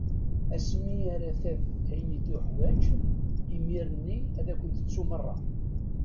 Asmi ara taf ayen i tuḥwaǧ, imir-nni ad ken-tettu meṛṛa.